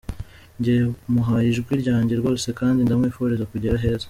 Njye muhaye ijwi ryanjye rwose kandi ndamwifuriza kugera heza.